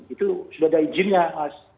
itu sudah ada izinnya mas